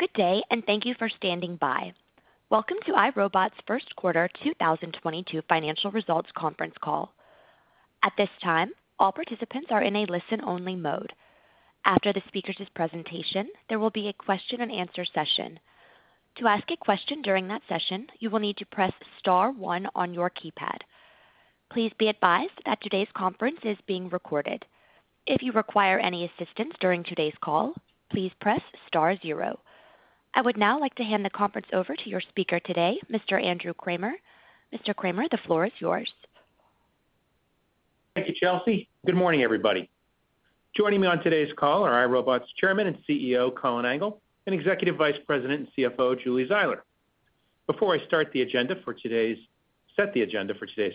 Good day, thank you for standing by. Welcome to iRobot's first quarter 2022 financial results conference call. At this time, all participants are in a listen only mode. After the speaker's presentation, there will be a question and answer session. To ask a question during that session, you will need to press star one on your keypad. Please be advised that today's conference is being recorded. If you require any assistance during today's call, please press star zero. I would now like to hand the conference over to your speaker today, Mr. Andrew Kramer. Mr. Kramer, the floor is yours. Thank you, Chelsea. Good morning, everybody. Joining me on today's call are iRobot's Chairman and CEO, Colin Angle, and Executive Vice President and CFO, Julie Zeiler. Before I set the agenda for today's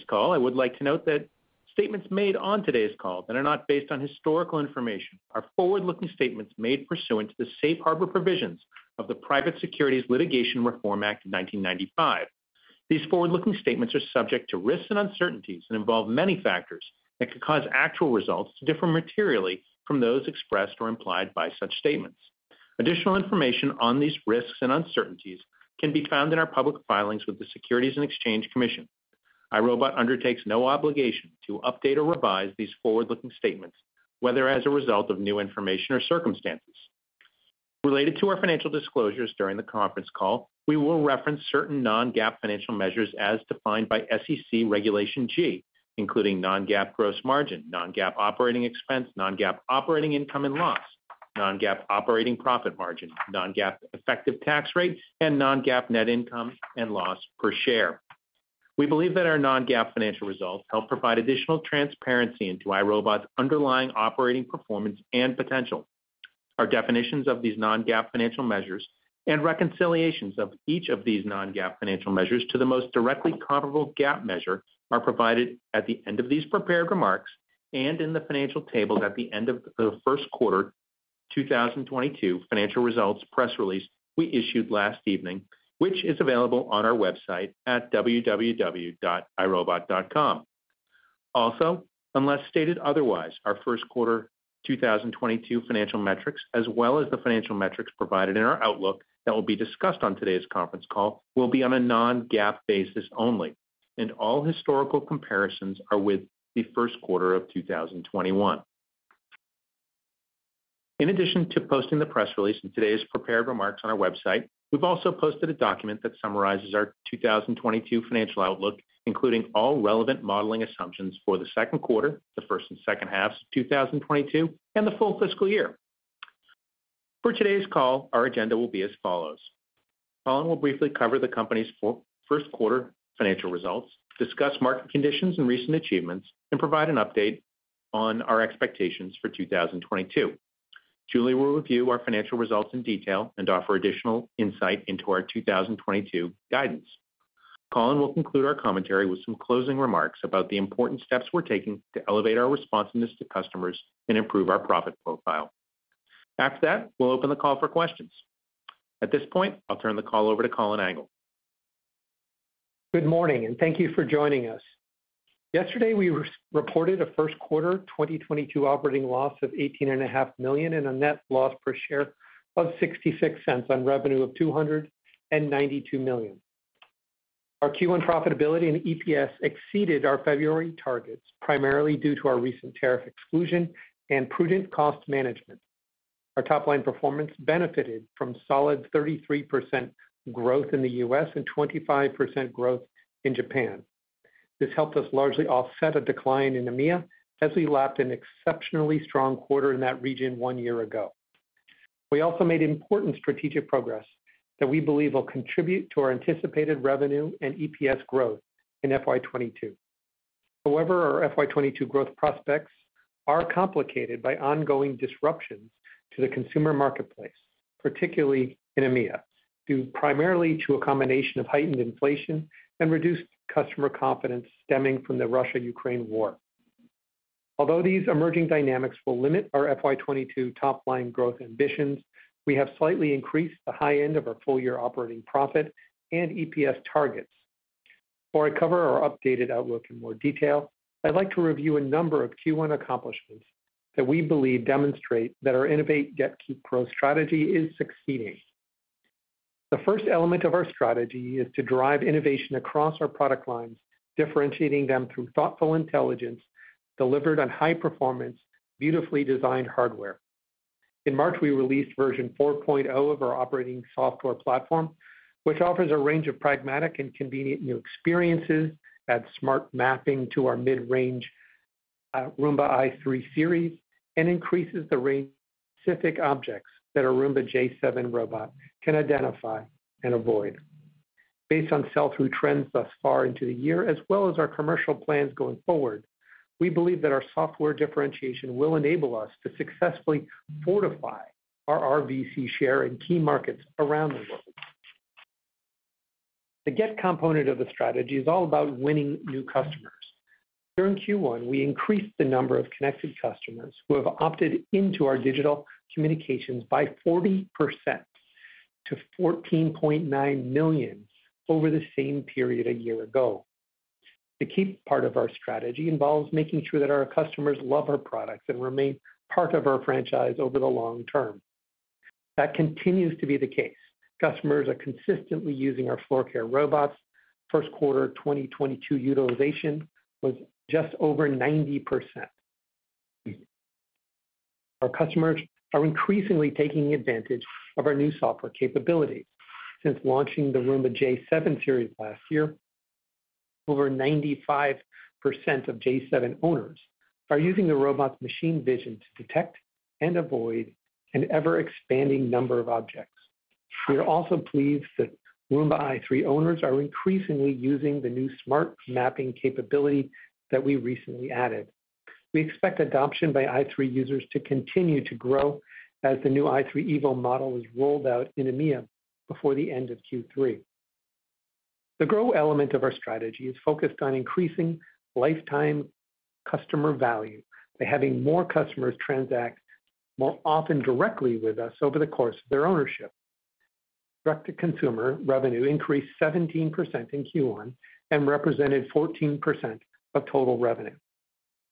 call, I would like to note that statements made on today's call that are not based on historical information are forward-looking statements made pursuant to the Safe Harbor provisions of the Private Securities Litigation Reform Act of 1995. These forward-looking statements are subject to risks and uncertainties and involve many factors that could cause actual results to differ materially from those expressed or implied by such statements. Additional information on these risks and uncertainties can be found in our public filings with the Securities and Exchange Commission. iRobot undertakes no obligation to update or revise these forward-looking statements, whether as a result of new information or circumstances. Related to our financial disclosures during the conference call, we will reference certain non-GAAP financial measures as defined by SEC Regulation G, including non-GAAP gross margin, non-GAAP operating expense, non-GAAP operating income and loss, non-GAAP operating profit margin, non-GAAP effective tax rate, and non-GAAP net income and loss per share. We believe that our non-GAAP financial results help provide additional transparency into iRobot's underlying operating performance and potential. Our definitions of these non-GAAP financial measures and reconciliations of each of these non-GAAP financial measures to the most directly comparable GAAP measure are provided at the end of these prepared remarks and in the financial tables at the end of the first quarter 2022 financial results press release we issued last evening, which is available on our website at www.irobot.com. Also, unless stated otherwise, our first quarter 2022 financial metrics, as well as the financial metrics provided in our outlook that will be discussed on today's conference call, will be on a non-GAAP basis only, and all historical comparisons are with the first quarter of 2021. In addition to posting the press release in today's prepared remarks on our website, we've also posted a document that summarizes our 2022 financial outlook, including all relevant modeling assumptions for the second quarter, the first and second half of 2022, and the full fiscal year. For today's call, our agenda will be as follows. Colin will briefly cover the company's first quarter financial results, discuss market conditions and recent achievements, and provide an update on our expectations for 2022. Julie will review our financial results in detail and offer additional insight into our 2022 guidance. Colin will conclude our commentary with some closing remarks about the important steps we're taking to elevate our responsiveness to customers and improve our profit profile. After that, we'll open the call for questions. At this point, I'll turn the call over to Colin Angle. Good morning, and thank you for joining us. Yesterday, we reported a first quarter 2022 operating loss of $18.5 million and a net loss per share of $0.66 on revenue of $292 million. Our Q1 profitability and EPS exceeded our February targets, primarily due to our recent tariff exclusion and prudent cost management. Our top line performance benefited from solid 33% growth in the U.S. and 25% growth in Japan. This helped us largely offset a decline in EMEA as we lapped an exceptionally strong quarter in that region one year ago. We also made important strategic progress that we believe will contribute to our anticipated revenue and EPS growth in FY 2022. However, our FY 2022 growth prospects are complicated by ongoing disruptions to the consumer marketplace, particularly in EMEA, due primarily to a combination of heightened inflation and reduced customer confidence stemming from the Russia-Ukraine war. Although these emerging dynamics will limit our FY 2022 top line growth ambitions, we have slightly increased the high end of our full-year operating profit and EPS targets. Before I cover our updated outlook in more detail, I'd like to review a number of Q1 accomplishments that we believe demonstrate that our innovate, get, keep growth strategy is succeeding. The first element of our strategy is to drive innovation across our product lines, differentiating them through thoughtful intelligence delivered on high performance, beautifully-designed hardware. In March, we released version 4.0 of our operating software platform, which offers a range of pragmatic and convenient new experiences, adds smart mapping to our mid-range Roomba i3 Series, and increases the rate-specific objects that a Roomba j7 robot can identify and avoid. Based on sell-through trends thus far into the year as well as our commercial plans going forward, we believe that our software differentiation will enable us to successfully fortify our RVC share in key markets around the world. The next component of the strategy is all about winning new customers. During Q1, we increased the number of connected customers who have opted into our digital communications by 40% to 14.9 million over the same period a year ago. The key part of our strategy involves making sure that our customers love our products and remain part of our franchise over the long term. That continues to be the case. Customers are consistently using our Floor Care robots. First quarter 2022 utilization was just over 90%. Our customers are increasingly taking advantage of our new software capabilities. Since launching the Roomba j7 series last year, over 95% of j7 owners are using the robot's machine vision to detect and avoid an ever-expanding number of objects. We are also pleased that Roomba i3 owners are increasingly using the new smart mapping capability that we recently added. We expect adoption by i3 users to continue to grow as the new i3 EVO model is rolled out in EMEA before the end of Q3. The grow element of our strategy is focused on increasing lifetime customer value by having more customers transact more often directly with us over the course of their ownership. Direct-to-consumer revenue increased 17% in Q1 and represented 14% of total revenue.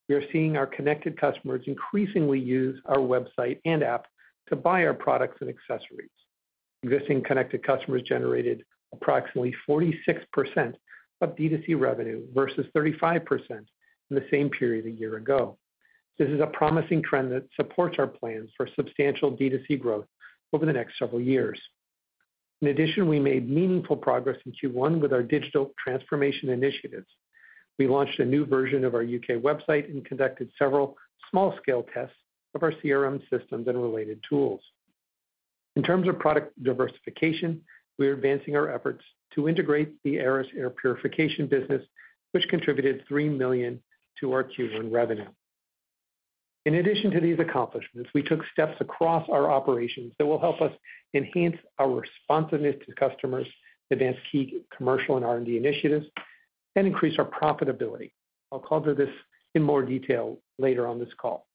We are seeing our connected customers increasingly use our website and app to buy our products and accessories. Existing connected customers generated approximately 46% of D2C revenue versus 35% in the same period a year ago. This is a promising trend that supports our plans for substantial D2C growth over the next several years. In addition, we made meaningful progress in Q1 with our digital transformation initiatives. We launched a new version of our U.K. website and conducted several small-scale tests of our CRM systems and related tools. In terms of product diversification, we are advancing our efforts to integrate the Aeris air purification business, which contributed $3 million to our Q1 revenue. In addition to these accomplishments, we took steps across our operations that will help us enhance our responsiveness to customers, advance key commercial and R&D initiatives, and increase our profitability. I'll come to this in more detail later on this call.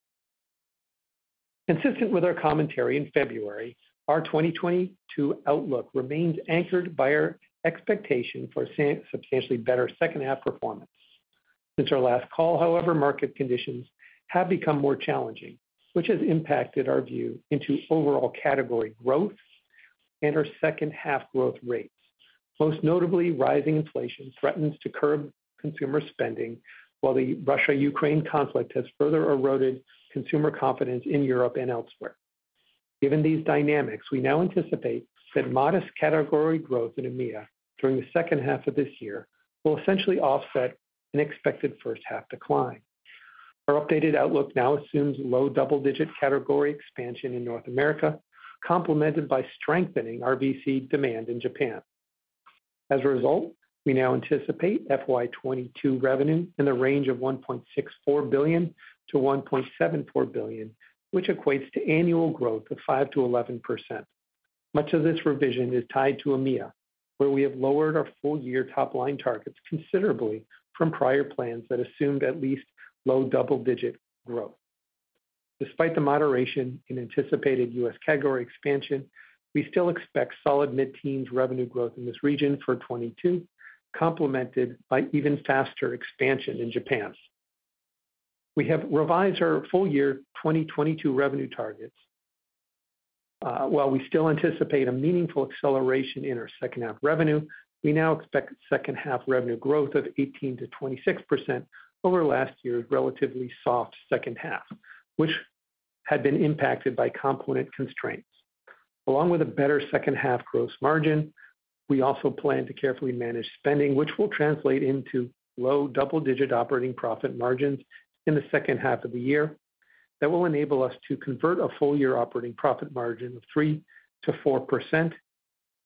Consistent with our commentary in February, our 2022 outlook remains anchored by our expectation for substantially better second-half performance. Since our last call, however, market conditions have become more challenging, which has impacted our view into overall category growth and our second-half growth rates. Most notably, rising inflation threatens to curb consumer spending, while the Russia-Ukraine conflict has further eroded consumer confidence in Europe and elsewhere. Given these dynamics, we now anticipate that modest category growth in EMEA during the second half of this year will essentially offset an expected first half decline. Our updated outlook now assumes low double-digit category expansion in North America, complemented by strengthening RVC demand in Japan. As a result, we now anticipate FY 2022 revenue in the range of $1.64 billion-$1.74 billion, which equates to annual growth of 5%-11%. Much of this revision is tied to EMEA, where we have lowered our full year top line targets considerably from prior plans that assumed at least low double-digit growth. Despite the moderation in anticipated U.S. category expansion, we still expect solid mid-teens revenue growth in this region for 2022, complemented by even faster expansion in Japan. We have revised our full year 2022 revenue targets. While we still anticipate a meaningful acceleration in our second half revenue, we now expect second half revenue growth of 18%-26% over last year's relatively soft second half, which had been impacted by component constraints. Along with a better second half gross margin, we also plan to carefully manage spending, which will translate into low double-digit operating profit margins in the second half of the year that will enable us to convert a full-year operating profit margin of 3%-4%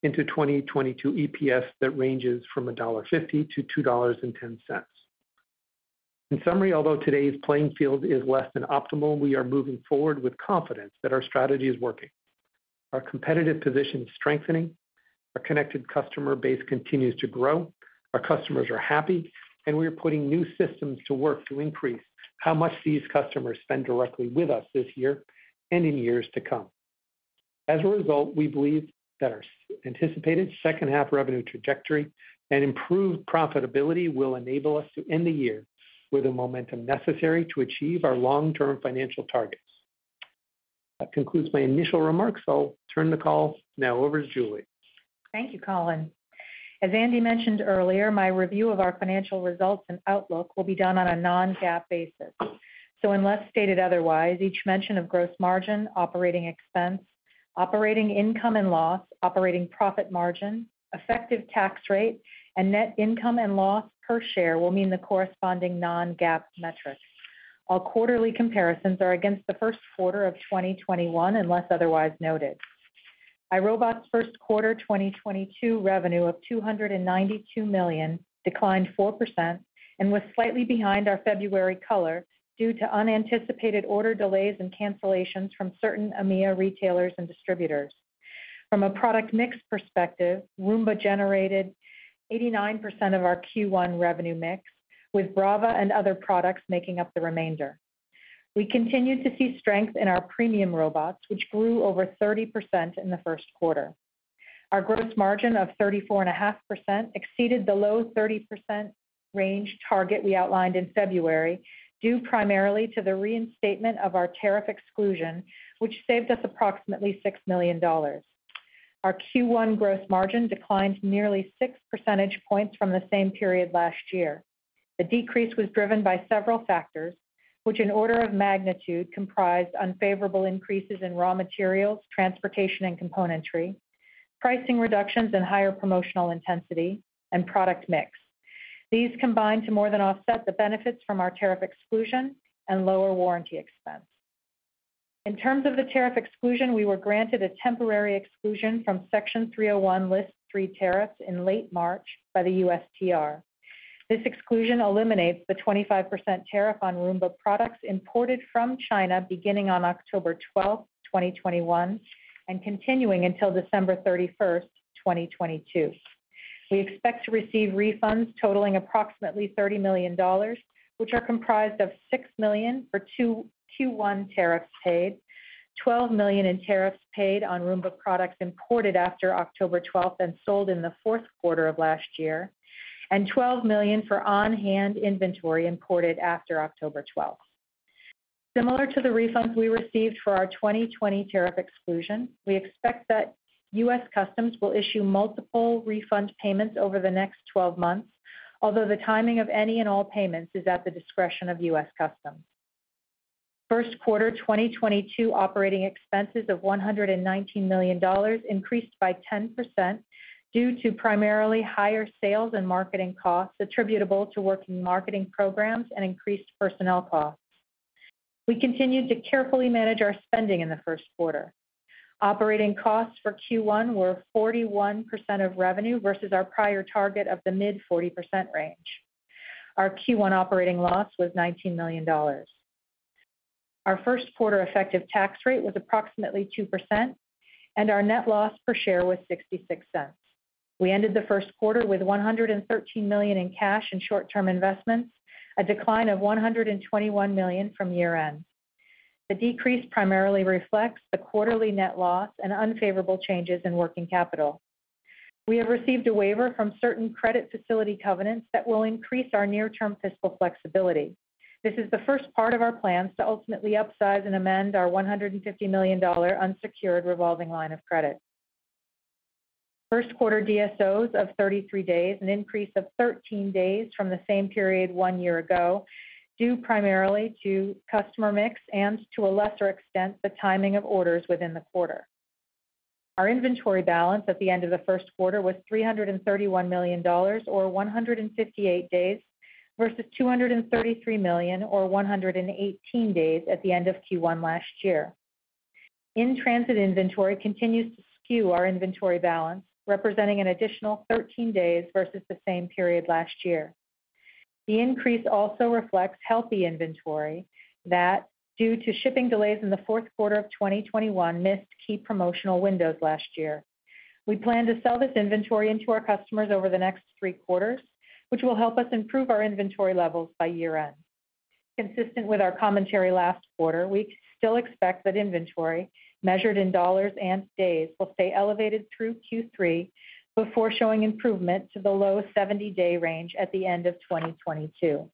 into 2022 EPS that ranges from $1.50-$2.10. In summary, although today's playing field is less than optimal, we are moving forward with confidence that our strategy is working. Our competitive position is strengthening, our connected customer base continues to grow, our customers are happy, and we are putting new systems to work to increase how much these customers spend directly with us this year and in years to come. As a result, we believe that our anticipated second half revenue trajectory and improved profitability will enable us to end the year with the momentum necessary to achieve our long-term financial targets. That concludes my initial remarks. I'll turn the call now over to Julie. Thank you, Colin. As Andy mentioned earlier, my review of our financial results and outlook will be done on a non-GAAP basis. Unless stated otherwise, each mention of gross margin, operating expense, operating income and loss, operating profit margin, effective tax rate, and net income and loss per share will mean the corresponding non-GAAP metrics. All quarterly comparisons are against the first quarter of 2021, unless otherwise noted. iRobot's first quarter 2022 revenue of $292 million declined 4% and was slightly behind our February color due to unanticipated order delays and cancellations from certain EMEA retailers and distributors. From a product mix perspective, Roomba generated 89% of our Q1 revenue mix, with Braava and other products making up the remainder. We continued to see strength in our premium robots, which grew over 30% in the first quarter. Our gross margin of 34.5% exceeded the low 30% range target we outlined in February, due primarily to the reinstatement of our tariff exclusion, which saved us approximately $6 million. Our Q1 gross margin declined nearly 6 percentage points from the same period last year. The decrease was driven by several factors, which, in order of magnitude, comprised unfavorable increases in raw materials, transportation, and componentry, pricing reductions and higher promotional intensity, and product mix. These combined to more than offset the benefits from our tariff exclusion and lower warranty expense. In terms of the tariff exclusion, we were granted a temporary exclusion from Section 301, List 3 tariffs in late March by the USTR. This exclusion eliminates the 25% tariff on Roomba products imported from China beginning on October 12, 2021, and continuing until December 31, 2022. We expect to receive refunds totaling approximately $30 million, which are comprised of $6 million for Q1 tariffs paid, $12 million in tariffs paid on Roomba products imported after October 12 and sold in the fourth quarter of last year, and $12 million for on-hand inventory imported after October 12. Similar to the refunds we received for our 2020 tariff exclusion, we expect that U.S. Customs will issue multiple refund payments over the next 12 months, although the timing of any and all payments is at the discretion of U.S. Customs. Q1 2022 operating expenses of $119 million increased by 10% due to primarily higher sales and marketing costs attributable to ongoing marketing programs and increased personnel costs. We continued to carefully manage our spending in the first quarter. Operating costs for Q1 were 41% of revenue versus our prior target of the mid-40% range. Our Q1 operating loss was $19 million. Our first quarter effective tax rate was approximately 2%, and our net loss per share was $0.66. We ended the first quarter with $113 million in cash and short-term investments, a decline of $121 million from year-end. The decrease primarily reflects the quarterly net loss and unfavorable changes in working capital. We have received a waiver from certain credit facility covenants that will increase our near-term fiscal flexibility. This is the first part of our plans to ultimately upsize and amend our $150 million unsecured revolving line of credit. First quarter DSOs of 33 days, an increase of 13 days from the same period one year ago, due primarily to customer mix and, to a lesser extent, the timing of orders within the quarter. Our inventory balance at the end of the first quarter was $331 million, or 158 days, versus $233 million, or 118 days, at the end of Q1 last year. In-transit inventory continues to skew our inventory balance, representing an additional 13 days versus the same period last year. The increase also reflects healthy inventory that, due to shipping delays in the fourth quarter of 2021, missed key promotional windows last year. We plan to sell this inventory into our customers over the next three quarters, which will help us improve our inventory levels by year-end. Consistent with our commentary last quarter, we still expect that inventory, measured in dollars and days, will stay elevated through Q3 before showing improvement to the low 70-day range at the end of 2022.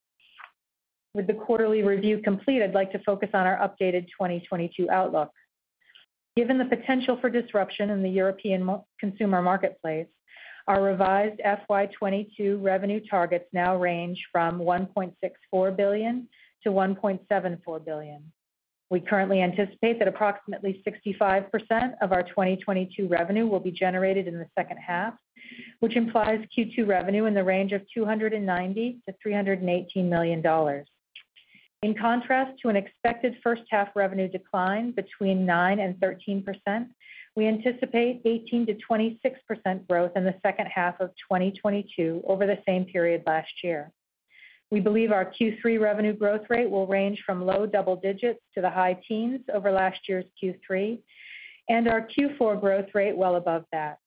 With the quarterly review complete, I'd like to focus on our updated 2022 outlook. Given the potential for disruption in the European consumer marketplace, our revised FY 2022 revenue targets now range from $1.64 billion-$1.74 billion. We currently anticipate that approximately 65% of our 2022 revenue will be generated in the second half, which implies Q2 revenue in the range of $290 million-$318 million. In contrast to an expected first half revenue decline between 9% and 13%, we anticipate 18%-26% growth in the second half of 2022 over the same period last year. We believe our Q3 revenue growth rate will range from low double digits to the high teens over last year's Q3, and our Q4 growth rate well above that.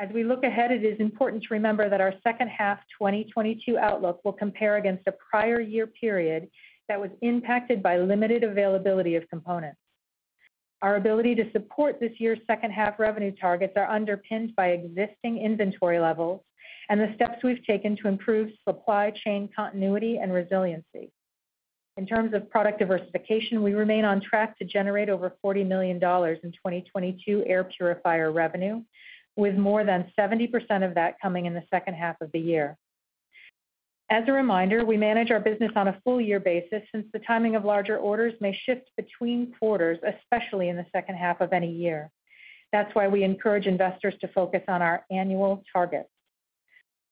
As we look ahead, it is important to remember that our second half 2022 outlook will compare against a prior year period that was impacted by limited availability of components. Our ability to support this year's second half revenue targets are underpinned by existing inventory levels and the steps we've taken to improve supply chain continuity and resiliency. In terms of product diversification, we remain on track to generate over $40 million in 2022 air purifier revenue, with more than 70% of that coming in the second half of the year. As a reminder, we manage our business on a full-year basis since the timing of larger orders may shift between quarters, especially in the second half of any year. That's why we encourage investors to focus on our annual targets.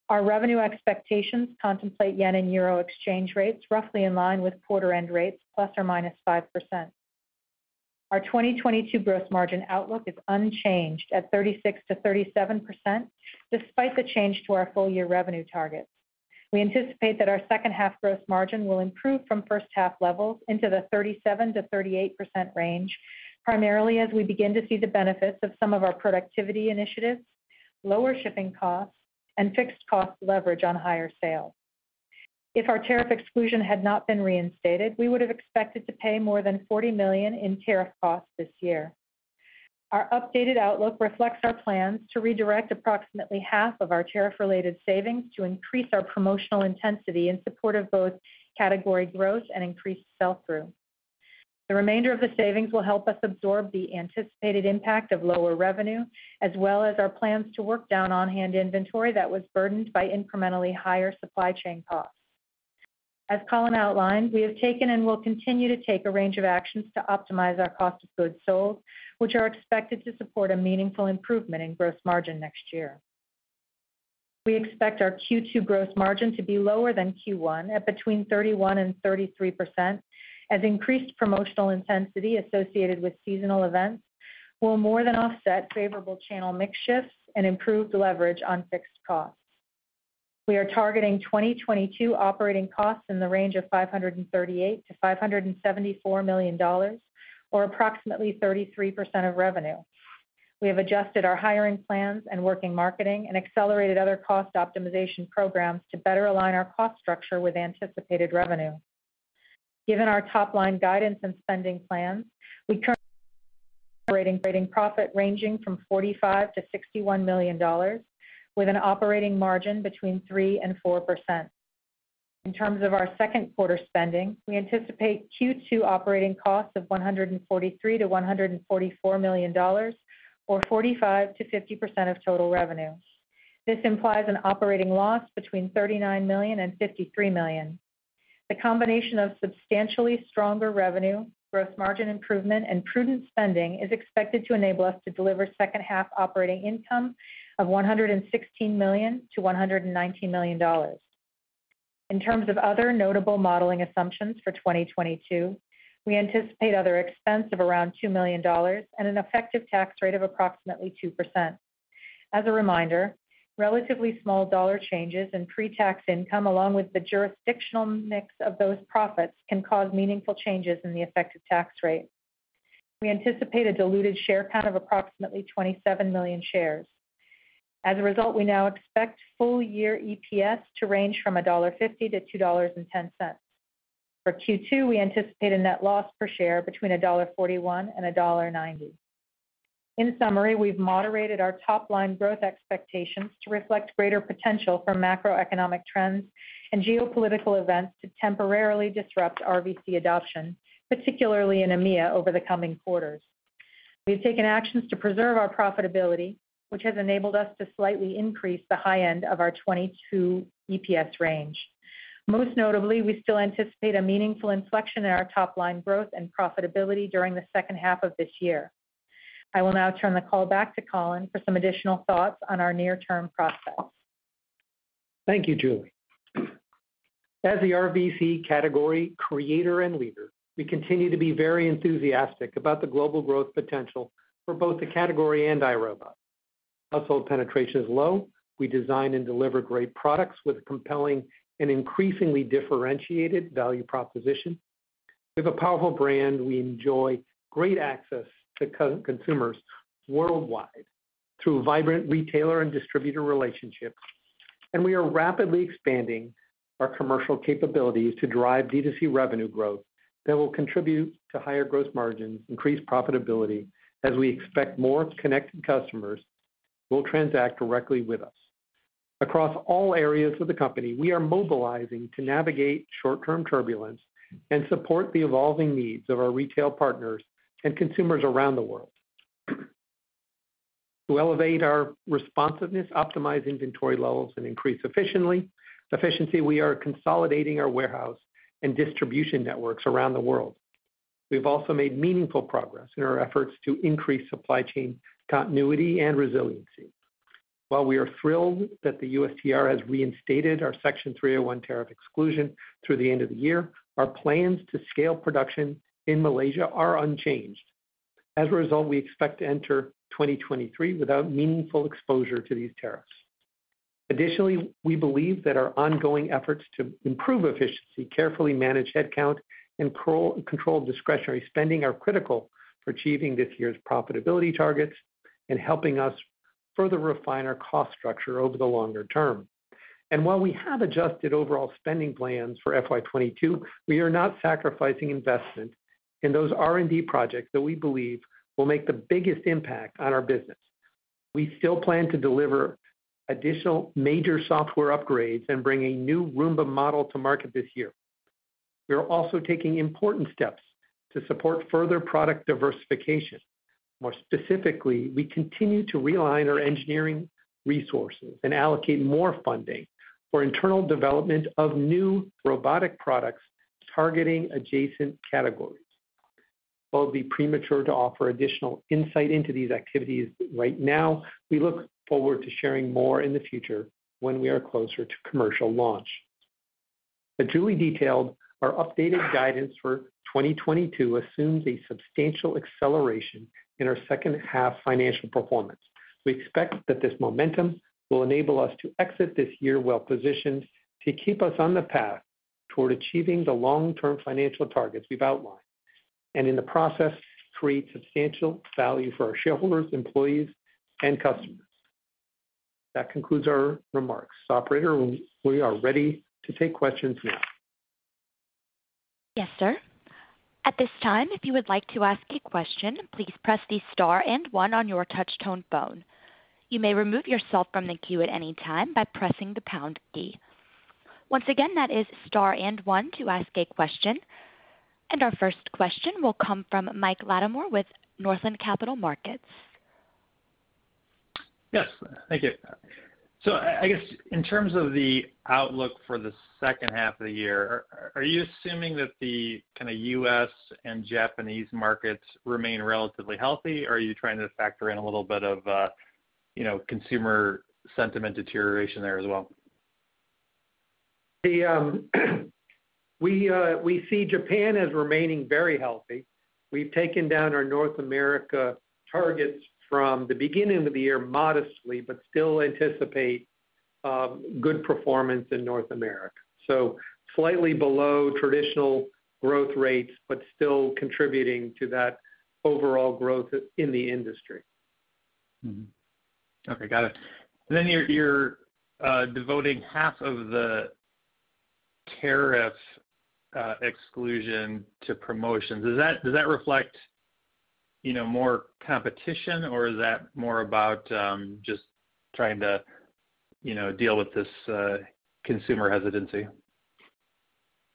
Our revenue expectations contemplate yen and euro exchange rates roughly in line with quarter end rates, ±5%. Our 2022 gross margin outlook is unchanged at 36%-37% despite the change to our full-year revenue targets. We anticipate that our second half gross margin will improve from first half levels into the 37%-38% range, primarily as we begin to see the benefits of some of our productivity initiatives, lower shipping costs, and fixed cost leverage on higher sales. If our tariff exclusion had not been reinstated, we would have expected to pay more than $40 million in tariff costs this year. Our updated outlook reflects our plans to redirect approximately half of our tariff-related savings to increase our promotional intensity in support of both category growth and increased sell through. The remainder of the savings will help us absorb the anticipated impact of lower revenue, as well as our plans to work down on hand inventory that was burdened by incrementally higher supply chain costs. As Colin outlined, we have taken and will continue to take a range of actions to optimize our cost of goods sold, which are expected to support a meaningful improvement in gross margin next year. We expect our Q2 gross margin to be lower than Q1 at between 31% and 33%, as increased promotional intensity associated with seasonal events will more than offset favorable channel mix shifts and improved leverage on fixed costs. We are targeting 2022 operating costs in the range of $538 million-$574 million or approximately 33% of revenue. We have adjusted our hiring plans and working marketing and accelerated other cost optimization programs to better align our cost structure with anticipated revenue. Given our top line guidance and spending plans, we currently expect operating profit ranging from $45 million-$61 million, with an operating margin between 3%-4%. In terms of our second quarter spending, we anticipate Q2 operating costs of $143 million-$144 million or 45%-50% of total revenue. This implies an operating loss between $39 million and $53 million. The combination of substantially stronger revenue, gross margin improvement and prudent spending is expected to enable us to deliver second half operating income of $116 million-$119 million. In terms of other notable modeling assumptions for 2022, we anticipate other expense of around $2 million and an effective tax rate of approximately 2%. As a reminder, relatively small dollar changes in pre-tax income, along with the jurisdictional mix of those profits, can cause meaningful changes in the effective tax rate. We anticipate a diluted share count of approximately 27 million shares. As a result, we now expect full year EPS to range from $1.50-$2.10. For Q2, we anticipate a net loss per share between $1.41 and $1.90. In summary, we've moderated our top line growth expectations to reflect greater potential for macroeconomic trends and geopolitical events to temporarily disrupt RVC adoption, particularly in EMEA over the coming quarters. We've taken actions to preserve our profitability, which has enabled us to slightly increase the high end of our 2022 EPS range. Most notably, we still anticipate a meaningful inflection in our top line growth and profitability during the second half of this year. I will now turn the call back to Colin for some additional thoughts on our near-term prospects. Thank you, Julie. As the RVC category creator and leader, we continue to be very enthusiastic about the global growth potential for both the category and iRobot. Household penetration is low. We design and deliver great products with compelling and increasingly differentiated value proposition. We have a powerful brand. We enjoy great access to consumers worldwide through vibrant retailer and distributor relationships, and we are rapidly expanding our commercial capabilities to drive D2C revenue growth that will contribute to higher gross margins, increased profitability, as we expect more connected customers will transact directly with us. Across all areas of the company, we are mobilizing to navigate short-term turbulence and support the evolving needs of our retail partners and consumers around the world. To elevate our responsiveness, optimize inventory levels and increase efficiency, we are consolidating our warehouse and distribution networks around the world. We've also made meaningful progress in our efforts to increase supply chain continuity and resiliency. While we are thrilled that the USTR has reinstated our Section 301 tariff exclusion through the end of the year, our plans to scale production in Malaysia are unchanged. As a result, we expect to enter 2023 without meaningful exposure to these tariffs. Additionally, we believe that our ongoing efforts to improve efficiency, carefully manage headcount and control discretionary spending, are critical for achieving this year's profitability targets and helping us further refine our cost structure over the longer term. While we have adjusted overall spending plans for FY 2022, we are not sacrificing investment in those R&D projects that we believe will make the biggest impact on our business. We still plan to deliver additional major software upgrades and bring a new Roomba model to market this year. We are also taking important steps to support further product diversification. More specifically, we continue to realign our engineering resources and allocate more funding for internal development of new robotic products targeting adjacent categories. While it would be premature to offer additional insight into these activities right now, we look forward to sharing more in the future when we are closer to commercial launch. As Julie detailed, our updated guidance for 2022 assumes a substantial acceleration in our second half financial performance. We expect that this momentum will enable us to exit this year well positioned to keep us on the path toward achieving the long term financial targets we've outlined and in the process, create substantial value for our shareholders, employees and customers. That concludes our remarks. Operator, we are ready to take questions now. Yes, sir. At this time, if you would like to ask a question, please press the star and one on your touch-tone phone. You may remove yourself from the queue at any time by pressing the pound key. Once again, that is star and one to ask a question. Our first question will come from Michael Latimore with Northland Capital Markets. Yes. Thank you. I guess in terms of the outlook for the second half of the year, are you assuming that the kinda U.S. and Japanese markets remain relatively healthy, or are you trying to factor in a little bit of, you know, consumer sentiment deterioration there as well? We see Japan as remaining very healthy. We've taken down our North America targets from the beginning of the year modestly, but still anticipate good performance in North America. Slightly below traditional growth rates, but still contributing to that overall growth in the industry. Okay. Got it. You're devoting half of the tariff exclusion to promotions. Does that reflect, you know, more competition, or is that more about just trying to, you know, deal with this consumer hesitancy?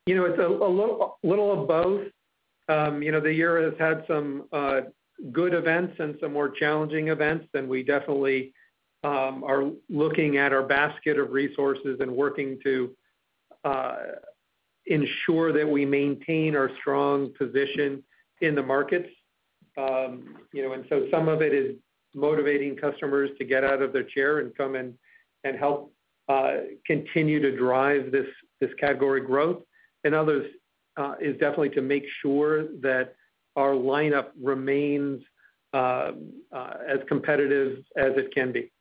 You know, it's a little of both. You know, the year has had some good events and some more challenging events, and we definitely are looking at our basket of resources and working to ensure that we maintain our strong position in the markets. You know, some of it is motivating customers to get out of their chair and come and help continue to drive this category growth. In others, is definitely to make sure that our lineup remains as competitive as it can be.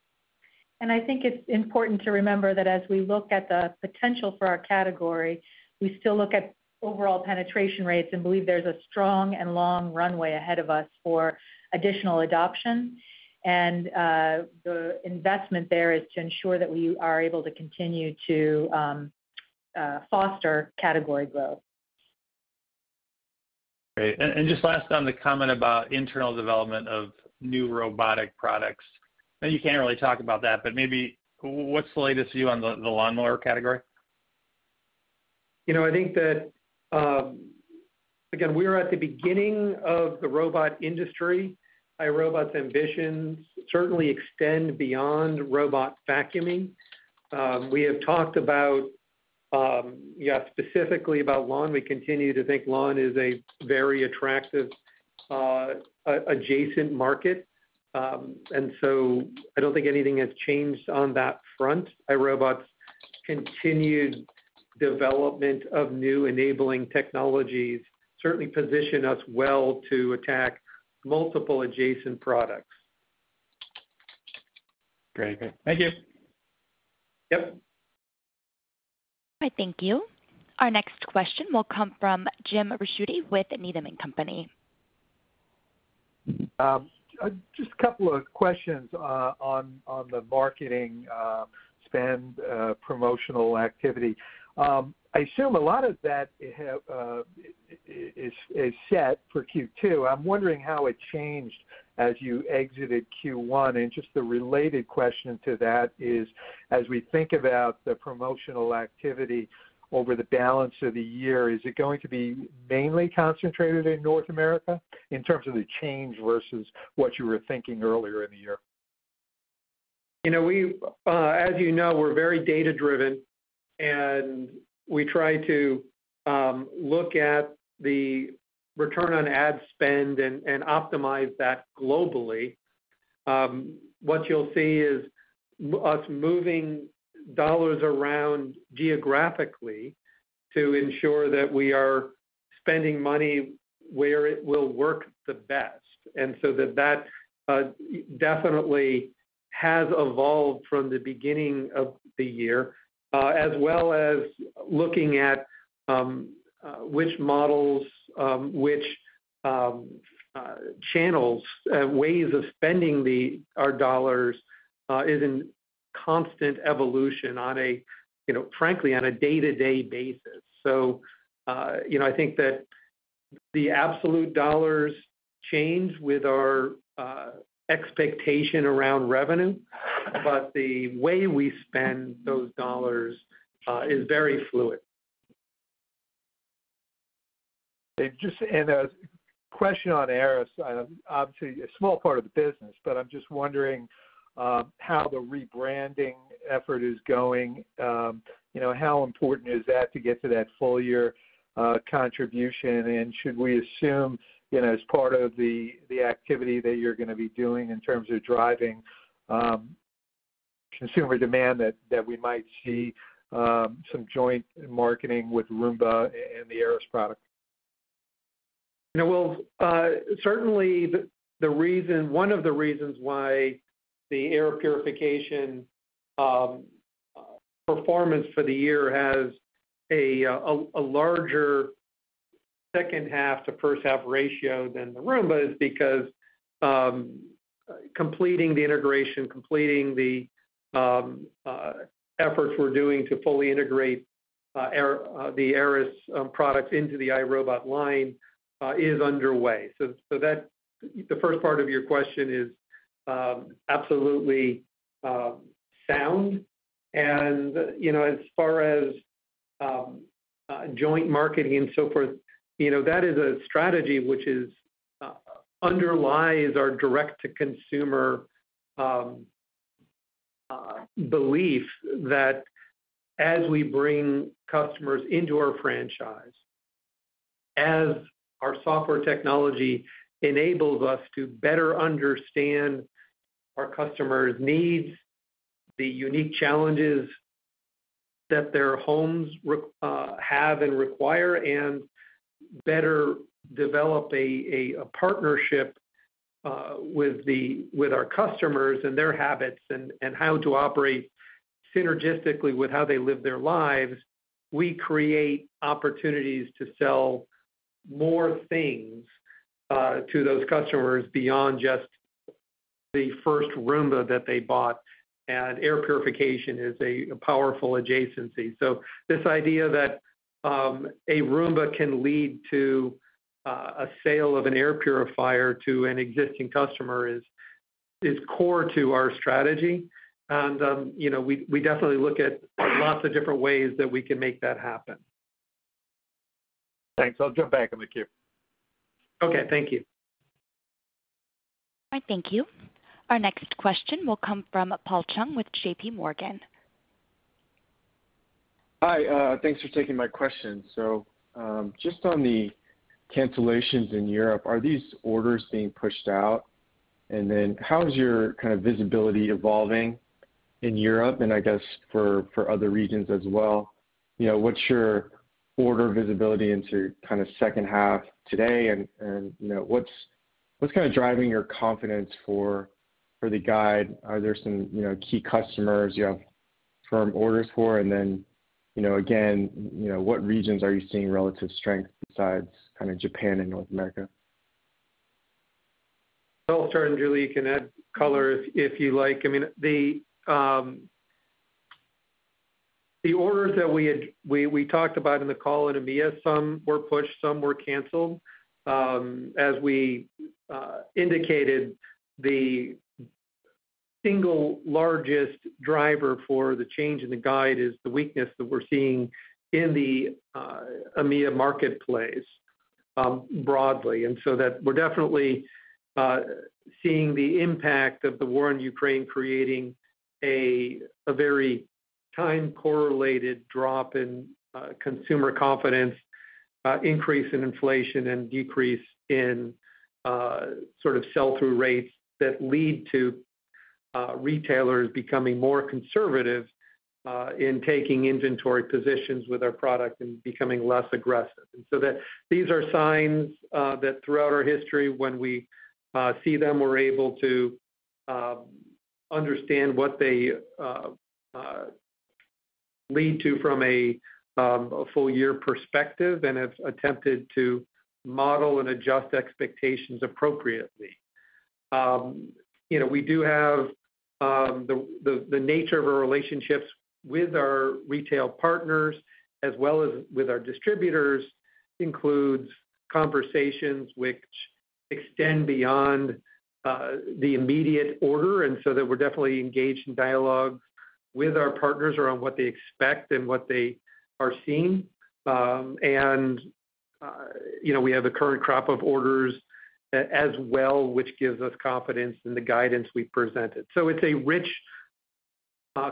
I think it's important to remember that as we look at the potential for our category, we still look at overall penetration rates and believe there's a strong and long runway ahead of us for additional adoption. The investment there is to ensure that we are able to continue to foster category growth. Great. Just last on the comment about internal development of new robotic products. I know you can't really talk about that, but maybe what's the latest view on the lawnmower category? You know, I think that, again, we are at the beginning of the robot industry. iRobot's ambitions certainly extend beyond robot vacuuming. We have talked about, yeah, specifically about lawn. We continue to think lawn is a very attractive, adjacent market. I don't think anything has changed on that front. iRobot's continued development of new enabling technologies certainly position us well to attack multiple adjacent products. Great. Thank you. Yep. All right. Thank you. Our next question will come from Jim Ricchiuti with Needham & Company. Just a couple of questions on the marketing spend, promotional activity. I assume a lot of that is set for Q2. I'm wondering how it changed as you exited Q1. Just the related question to that is, as we think about the promotional activity over the balance of the year, is it going to be mainly concentrated in North America in terms of the change versus what you were thinking earlier in the year? You know, as you know, we're very data-driven, and we try to look at the return on ad spend and optimize that globally. What you'll see is us moving dollars around geographically to ensure that we are spending money where it will work the best. That definitely has evolved from the beginning of the year, as well as looking at which models, which channels, ways of spending our dollars, is in constant evolution on a, you know, frankly, on a day-to-day basis. You know, I think that the absolute dollars change with our expectation around revenue, but the way we spend those dollars is very fluid. A question on Aeris. Obviously, a small part of the business, but I'm just wondering how the rebranding effort is going. You know, how important is that to get to that full-year contribution? Should we assume, you know, as part of the activity that you're gonna be doing in terms of driving consumer demand that we might see some joint marketing with Roomba and the Aeris product? Well, certainly the reason, one of the reasons why the air purification performance for the year has a larger second half to first half ratio than the Roomba is because completing the integration, completing the efforts we're doing to fully integrate the Aeris products into the iRobot line is underway. The first part of your question is absolutely sound. You know, as far as joint marketing and so forth, you know, that is a strategy which underlies our direct-to-consumer belief that as we bring customers into our franchise, as our software technology enables us to better understand our customers' needs, the unique challenges that their homes have and require, and better develop a partnership with our customers and their habits and how to operate synergistically with how they live their lives, we create opportunities to sell more things to those customers beyond just the first Roomba that they bought, and air purification is a powerful adjacency. This idea that a Roomba can lead to a sale of an air purifier to an existing customer is core to our strategy. You know, we definitely look at lots of different ways that we can make that happen. Thanks. I'll jump back in the queue. Okay. Thank you. All right. Thank you. Our next question will come from Paul Chung with JPMorgan. Hi. Thanks for taking my question. Just on the cancellations in Europe, are these orders being pushed out? Then how is your kind of visibility evolving in Europe and I guess for other regions as well? You know, what's your order visibility into kind of second half today? You know, what's kind of driving your confidence for the guide? Are there some, you know, key customers you have firm orders for? Then, you know, again, you know, what regions are you seeing relative strength besides kind of Japan and North America? I'll start, and Julie, you can add color if you like. I mean, the orders that we had. We talked about in the call in EMEA, some were pushed, some were canceled. As we indicated, the single largest driver for the change in the guide is the weakness that we're seeing in the EMEA marketplace, broadly. That we're definitely seeing the impact of the war in Ukraine creating a very time-correlated drop in consumer confidence, increase in inflation, and decrease in sort of sell-through rates that lead to retailers becoming more conservative in taking inventory positions with our product and becoming less aggressive. These are signs that throughout our history, when we see them, we're able to understand what they lead to from a full-year perspective and have attempted to model and adjust expectations appropriately. You know, we do have the nature of our relationships with our retail partners as well as with our distributors, includes conversations which extend beyond the immediate order. That we're definitely engaged in dialogue with our partners around what they expect and what they are seeing. You know, we have a current crop of orders as well, which gives us confidence in the guidance we've presented. It's a rich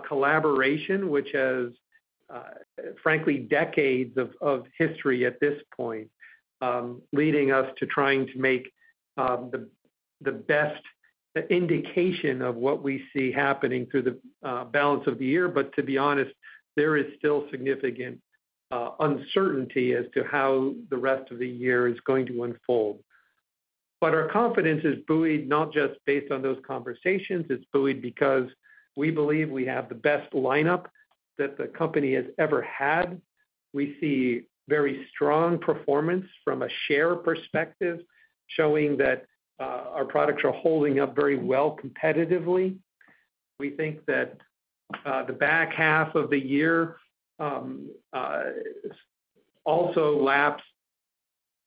collaboration, which has, frankly, decades of history at this point, leading us to trying to make the best indication of what we see happening through the balance of the year. To be honest, there is still significant uncertainty as to how the rest of the year is going to unfold. Our confidence is buoyed not just based on those conversations. It's buoyed because we believe we have the best lineup that the company has ever had. We see very strong performance from a share perspective, showing that our products are holding up very well competitively. We think that the back half of the year also laps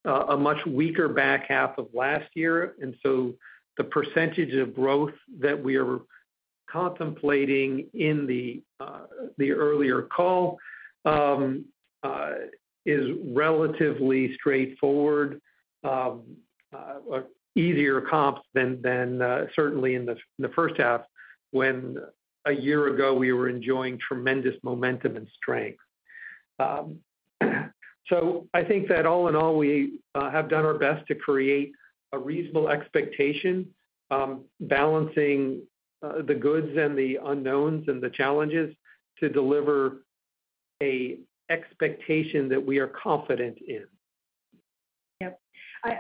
a much weaker back half of last year, and so the percentage of growth that we are contemplating in the earlier call is relatively straightforward, easier comps than certainly in the first half when a year ago we were enjoying tremendous momentum and strength. I think that all in all, we have done our best to create a reasonable expectation, balancing the goods and the unknowns and the challenges to deliver an expectation that we are confident in. Yep.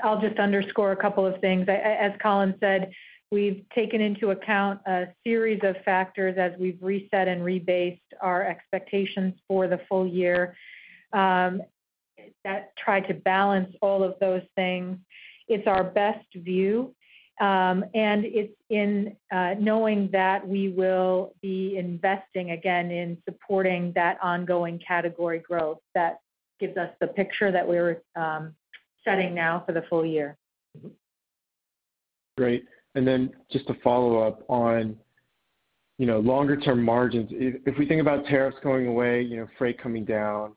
I'll just underscore a couple of things. As Colin said, we've taken into account a series of factors as we've reset and rebased our expectations for the full year that try to balance all of those things. It's our best view, and it's in knowing that we will be investing again in supporting that ongoing category growth that gives us the picture that we're setting now for the full year. Great. Then just to follow up on, you know, longer-term margins. If we think about tariffs going away, you know, freight coming down,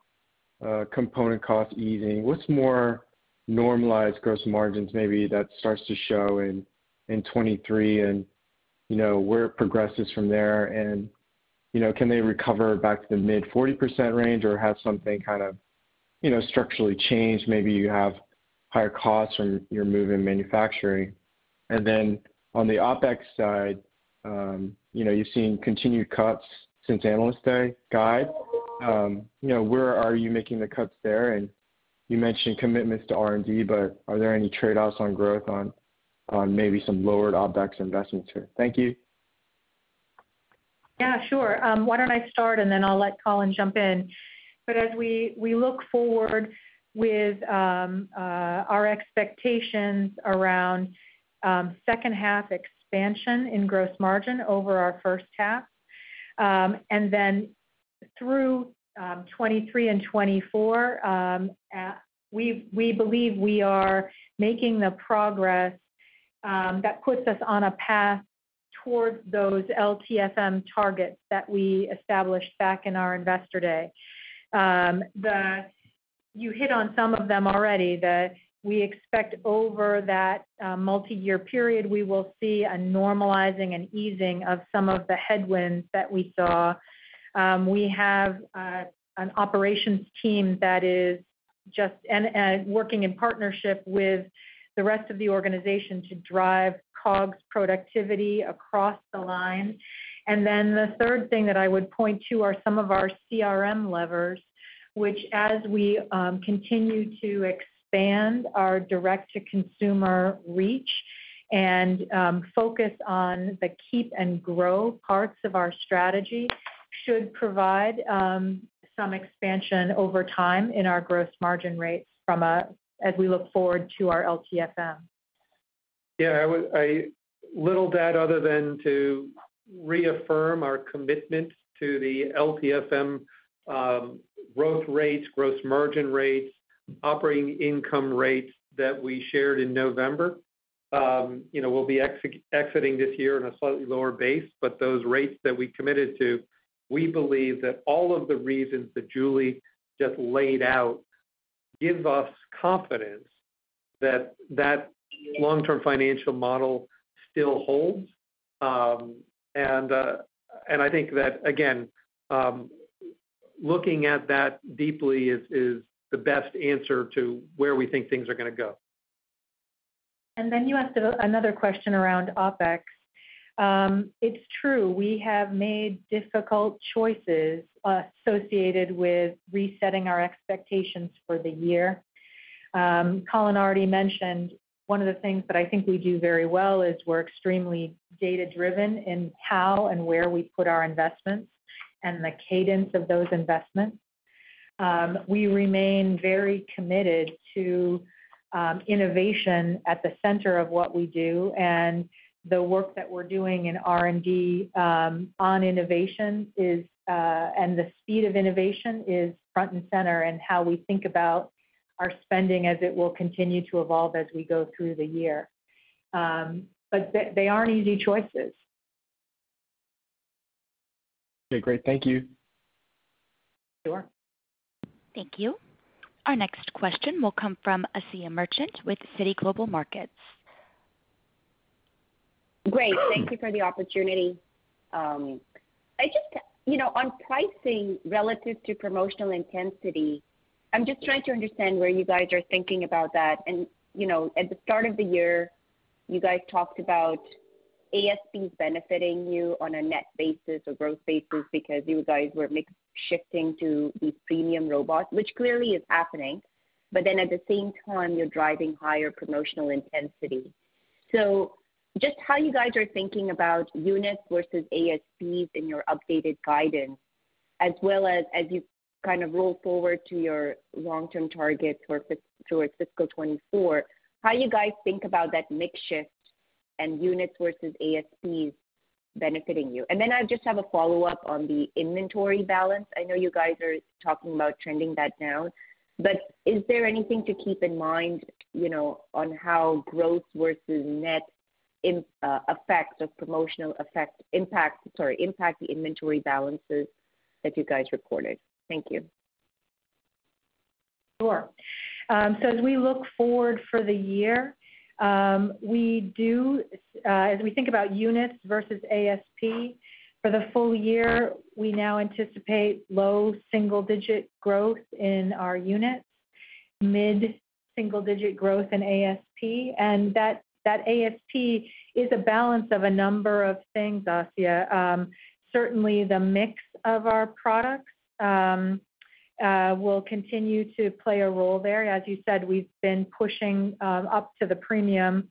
component costs easing, what's more normalized gross margins maybe that starts to show in 2023 and, you know, where it progresses from there and, you know, can they recover back to the mid-40% range or have something kind of, you know, structurally change? Maybe you have higher costs when you're moving manufacturing. Then on the OpEx side, you know, you've seen continued cuts since Analyst Day guide. You know, where are you making the cuts there? You mentioned commitments to R&D, but are there any trade-offs on growth on maybe some lowered OpEx investments here? Thank you. Yeah, sure. Why don't I start, and then I'll let Colin jump in. As we look forward with our expectations around second half expansion in gross margin over our first half, and then through 2023 and 2024, we believe we are making the progress that puts us on a path towards those LTFM targets that we established back in our Investor Day. You hit on some of them already, that we expect over that multiyear period, we will see a normalizing and easing of some of the headwinds that we saw. We have an operations team working in partnership with the rest of the organization to drive COGS productivity across the line. The third thing that I would point to are some of our CRM levers, which as we continue to expand our direct-to-consumer reach and focus on the keep and grow parts of our strategy, should provide some expansion over time in our gross margin rates as we look forward to our LTFM. Yeah, I have little to add other than to reaffirm our commitment to the LTFM, growth rates, gross margin rates, operating income rates that we shared in November. You know, we'll be exiting this year in a slightly lower base, but those rates that we committed to, we believe that all of the reasons that Julie just laid out give us confidence that that long-term financial model still holds. I think that, again, looking at that deeply is the best answer to where we think things are gonna go. Then you asked another question around OpEx. It's true, we have made difficult choices associated with resetting our expectations for the year. Colin already mentioned one of the things that I think we do very well is we're extremely data-driven in how and where we put our investments and the cadence of those investments. We remain very committed to innovation at the center of what we do, and the work that we're doing in R&D on innovation is, and the speed of innovation is front and center in how we think about our spending as it will continue to evolve as we go through the year. They aren't easy choices. Okay, great. Thank you. Sure. Thank you. Our next question will come from Asiya Merchant with Citi Global Markets. Great. Thank you for the opportunity. I just, you know, on pricing relative to promotional intensity, I'm just trying to understand where you guys are thinking about that. You know, at the start of the year, you guys talked about ASPs benefiting you on a net basis or growth basis because you guys were mix shifting to these premium robots, which clearly is happening. Then at the same time, you're driving higher promotional intensity. Just how you guys are thinking about units versus ASPs in your updated guidance, as well as you kind of roll forward to your long-term targets for towards fiscal 2024, how you guys think about that mix shift and units versus ASPs benefiting you? Then I just have a follow-up on the inventory balance. I know you guys are talking about trending that down, but is there anything to keep in mind, you know, on how growth versus net effect of promotional impact the inventory balances that you guys recorded? Thank you. Sure. So as we look forward for the year, we do as we think about units versus ASP, for the full year, we now anticipate low single-digit growth in our units, mid-single digit growth in ASP. That ASP is a balance of a number of things, Asiya. Certainly the mix of our products will continue to play a role there. As you said, we've been pushing up to the premium,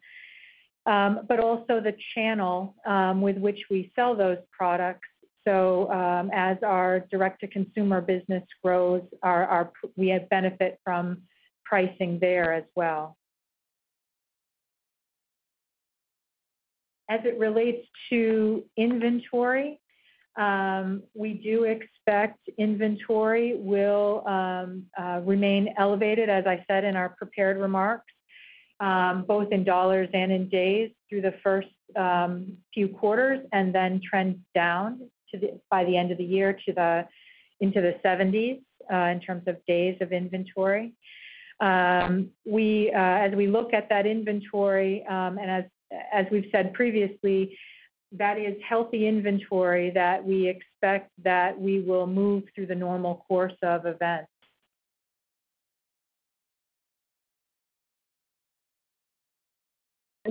but also the channel with which we sell those products. As our direct-to-consumer business grows, we have benefit from pricing there as well. As it relates to inventory, we do expect inventory will remain elevated, as I said in our prepared remarks, both in dollars and in days through the first few quarters, and then trend down by the end of the year into the 70s, in terms of days of inventory. We, as we look at that inventory, and as we've said previously, that is healthy inventory that we expect that we will move through the normal course of events.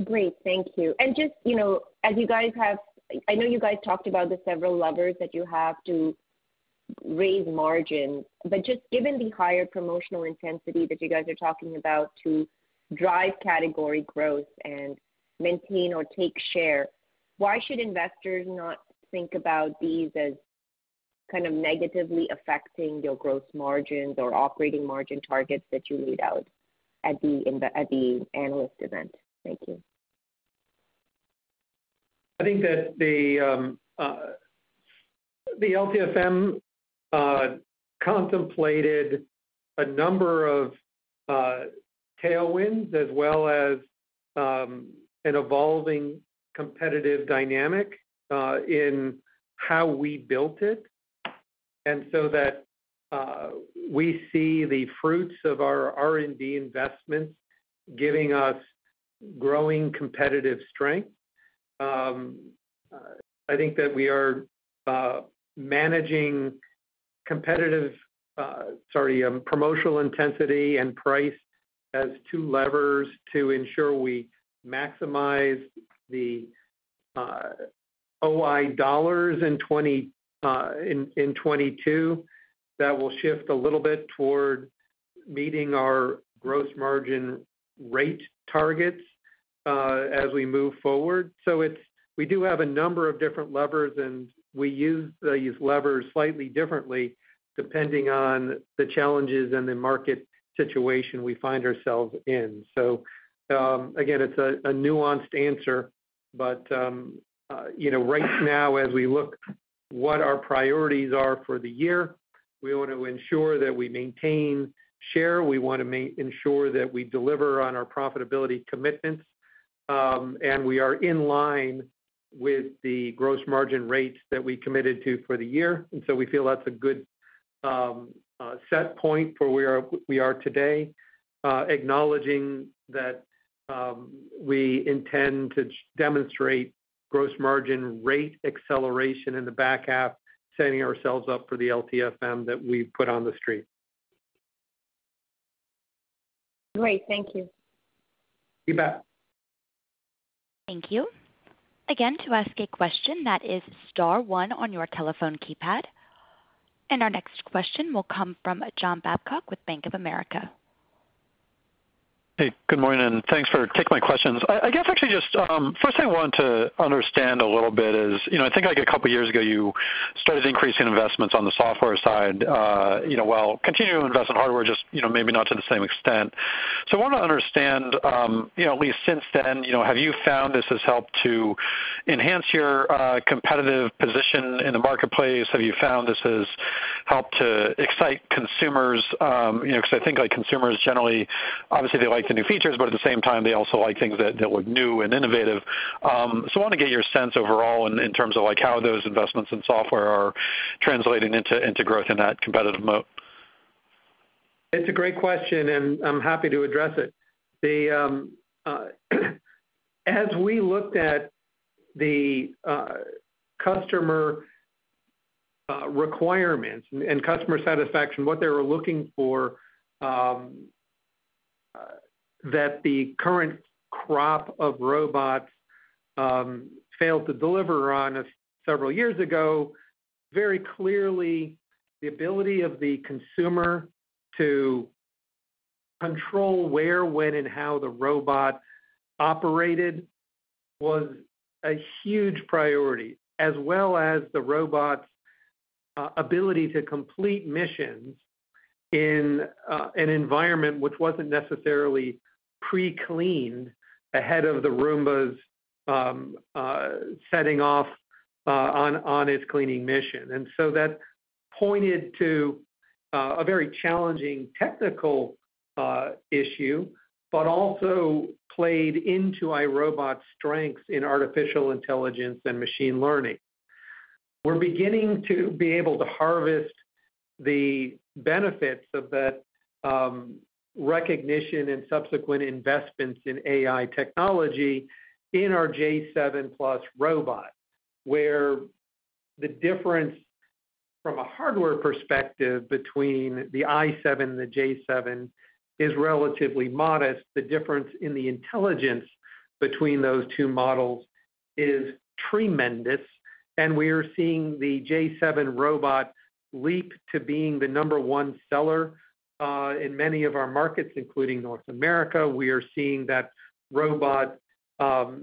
Great. Thank you. Just, you know, as you guys have, I know you guys talked about the several levers that you have to raise margin, but just given the higher promotional intensity that you guys are talking about to drive category growth and maintain or take share, why should investors not think about these as kind of negatively affecting your gross margins or operating margin targets that you laid out at the analyst event? Thank you. I think that the LTFM contemplated a number of tailwinds as well as an evolving competitive dynamic in how we built it, and so that we see the fruits of our R&D investments giving us growing competitive strength. I think that we are managing promotional intensity and price as two levers to ensure we maximize the OI dollars in 2022 that will shift a little bit toward meeting our gross margin rate targets as we move forward. It's we do have a number of different levers, and we use these levers slightly differently depending on the challenges and the market situation we find ourselves in. Again, it's a nuanced answer, but you know, right now, as we look what our priorities are for the year, we want to ensure that we maintain share, we wanna ensure that we deliver on our profitability commitments, and we are in line with the gross margin rates that we committed to for the year. We feel that's a good set point for where we are today, acknowledging that we intend to demonstrate gross margin rate acceleration in the back half, setting ourselves up for the LTFM that we've put on the street. Great. Thank you. You bet. Thank you. Again, to ask a question, that is star one on your telephone keypad. Our next question will come from John Babcock with Bank of America. Hey, good morning, and thanks for taking my questions. I guess actually first thing I wanted to understand a little bit is, you know, I think like a couple years ago, you started increasing investments on the software side, you know, while continuing to invest in hardware just, you know, maybe not to the same extent. I wanna understand, you know, at least since then, you know, have you found this has helped to enhance your competitive position in the marketplace? Have you found this has helped to excite consumers? You know, 'cause I think like consumers generally, obviously, they like the new features, but at the same time, they also like things that look new and innovative. I want to get your sense overall in terms of like how those investments in software are translating into growth in that competitive moat. It's a great question, and I'm happy to address it. As we looked at the customer requirements and customer satisfaction, what they were looking for, that the current crop of robots failed to deliver, several years ago, very clearly the ability of the consumer to control where, when, and how the robot operated was a huge priority, as well as the robot's ability to complete missions in an environment which wasn't necessarily pre-cleaned ahead of the Roomba's setting off on its cleaning mission. That pointed to a very challenging technical issue, but also played into iRobot's strengths in artificial intelligence and machine learning. We're beginning to be able to harvest the benefits of that recognition and subsequent investments in AI technology in our j7+ robot, where the difference from a hardware perspective between the i7 and the j7 is relatively modest. The difference in the intelligence between those two models is tremendous, and we are seeing the j7 robot leap to being the number one seller in many of our markets, including North America. We are seeing that robot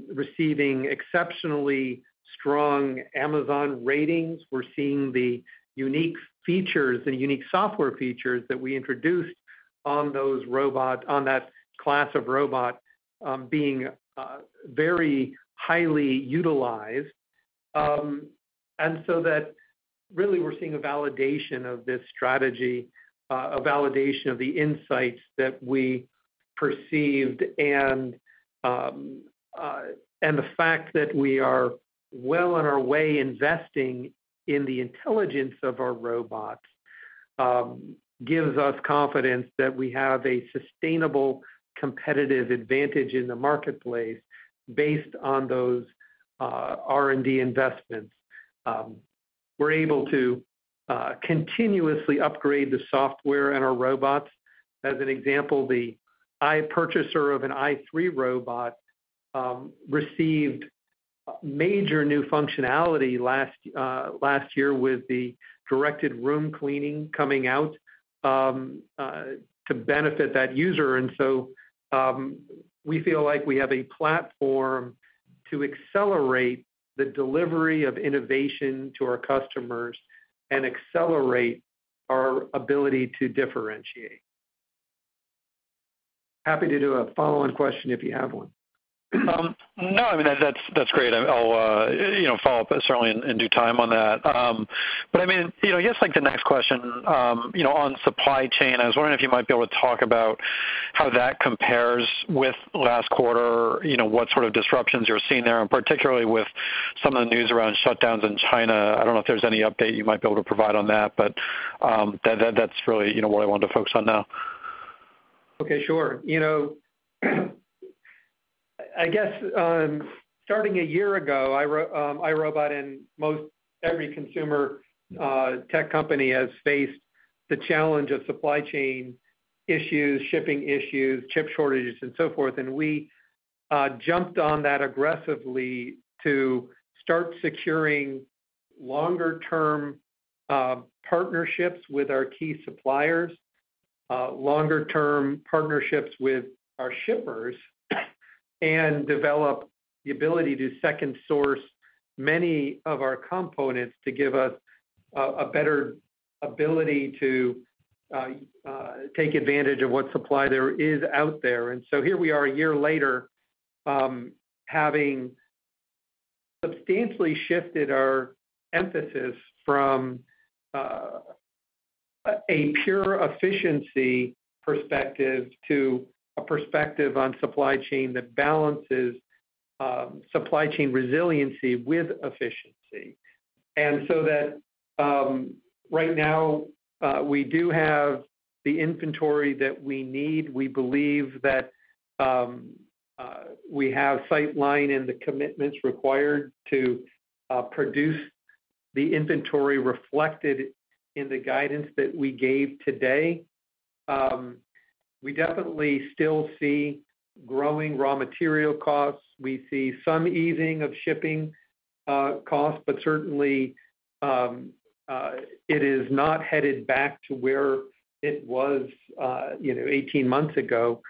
receiving exceptionally strong Amazon ratings. We're seeing the unique features, the unique software features that we introduced on that class of robot being very highly utilized. That really we're seeing a validation of this strategy, a validation of the insights that we perceived, and the fact that we are well on our way investing in the intelligence of our robots gives us confidence that we have a sustainable competitive advantage in the marketplace based on those R&D investments. We're able to continuously upgrade the software in our robots. As an example, the purchaser of an i3 robot received major new functionality last year with the directed room cleaning coming out to benefit that user. We feel like we have a platform to accelerate the delivery of innovation to our customers and accelerate our ability to differentiate. Happy to do a follow-on question if you have one. No, I mean, that's great. I'll, you know, follow-up certainly in due time on that. I mean, you know, I guess, like, the next question, you know, on supply chain, I was wondering if you might be able to talk about how that compares with last quarter, you know, what sort of disruptions you're seeing there, and particularly with some of the news around shutdowns in China. I don't know if there's any update you might be able to provide on that, but that's really, you know, what I wanted to focus on now. Okay, sure. You know, I guess, starting a year ago, iRobot and most every consumer tech company has faced the challenge of supply chain issues, shipping issues, chip shortages, and so forth. We jumped on that aggressively to start securing longer-term partnerships with our key suppliers, longer-term partnerships with our shippers, and develop the ability to second source many of our components to give us a better ability to take advantage of what supply there is out there. Here we are a year later, having substantially shifted our emphasis from a pure efficiency perspective to a perspective on supply chain that balances supply chain resiliency with efficiency. That right now, we do have the inventory that we need. We believe that we have sightline and the commitments required to produce the inventory reflected in the guidance that we gave today. We definitely still see growing raw material costs. We see some easing of shipping costs, but certainly it is not headed back to where it was, you know, 18 months ago,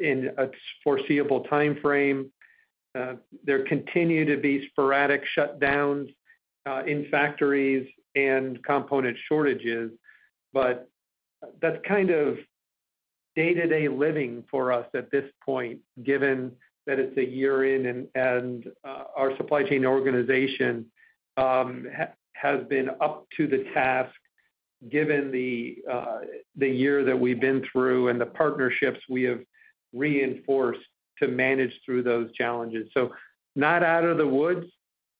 in a foreseeable timeframe. There continue to be sporadic shutdowns in factories and component shortages, but that's kind of day-to-day living for us at this point, given that it's a year in and our supply chain organization has been up to the task given the year that we've been through and the partnerships we have reinforced to manage through those challenges. Not out of the woods,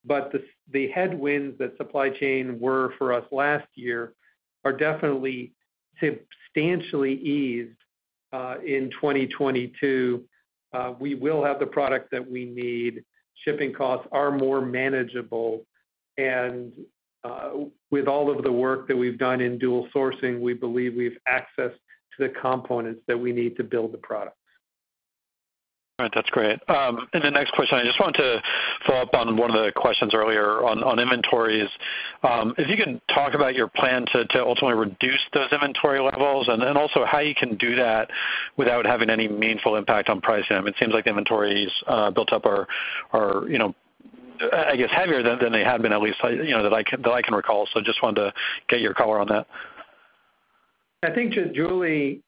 but the supply chain headwinds that were for us last year are definitely substantially eased in 2022. We will have the product that we need. Shipping costs are more manageable, and with all of the work that we've done in dual sourcing, we believe we have access to the components that we need to build the product. All right. That's great. The next question, I just wanted to follow-up on one of the questions earlier on inventories. If you can talk about your plan to ultimately reduce those inventory levels and then also how you can do that without having any meaningful impact on price. I mean, it seems like the inventories built up are, you know, I guess, heavier than they have been, at least, you know, that I can recall. Just wanted to get your color on that. I think just Julie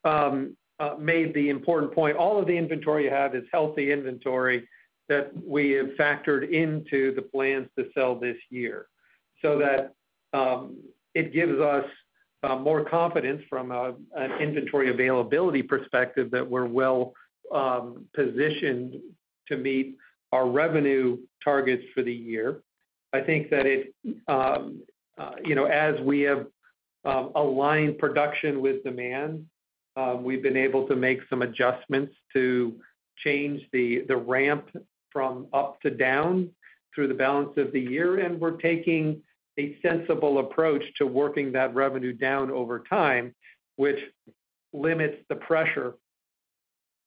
made the important point. All of the inventory you have is healthy inventory that we have factored into the plans to sell this year. That gives us more confidence from an inventory availability perspective that we're well positioned to meet our revenue targets for the year. I think that it, you know, as we have aligned production with demand, we've been able to make some adjustments to change the ramp from up to down through the balance of the year. We're taking a sensible approach to working that revenue down over time, which limits the pressure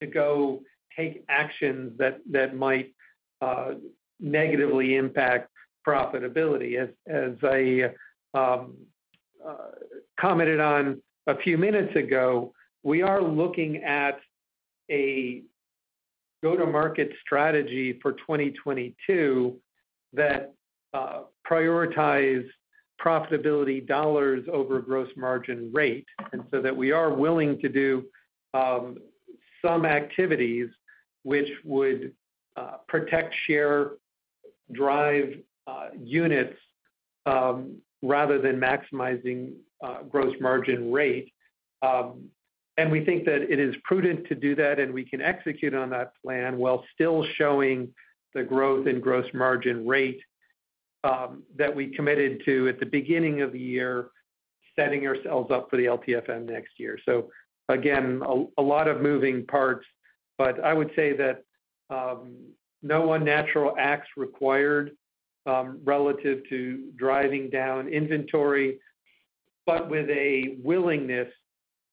to go take actions that might negatively impact profitability. I commented a few minutes ago, we are looking at a go-to-market strategy for 2022 that prioritize profitability dollars over gross margin rate. We are willing to do some activities which would protect share, drive units rather than maximizing gross margin rate. We think that it is prudent to do that, and we can execute on that plan while still showing the growth in gross margin rate that we committed to at the beginning of the year, setting ourselves up for the LTFM next year. Again, a lot of moving parts, but I would say that no unnatural acts required relative to driving down inventory, but with a willingness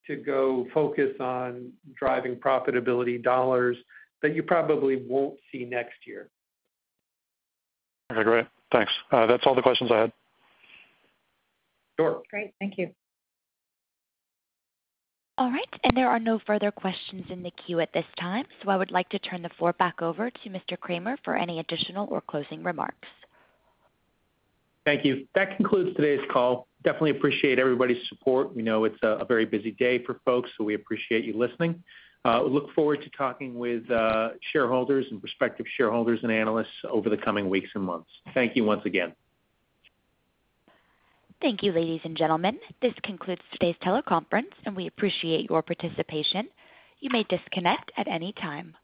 to go focus on driving profitability dollars that you probably won't see next year. Okay, great. Thanks. That's all the questions I had. Sure. Great. Thank you. All right. There are no further questions in the queue at this time, so I would like to turn the floor back over to Mr. Kramer for any additional or closing remarks. Thank you. That concludes today's call. Definitely appreciate everybody's support. We know it's a very busy day for folks, so we appreciate you listening. Look forward to talking with shareholders and prospective shareholders and analysts over the coming weeks and months. Thank you once again. Thank you, ladies and gentlemen. This concludes today's teleconference, and we appreciate your participation. You may disconnect at any time.